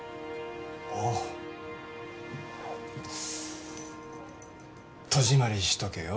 ああ戸締まりしとけよ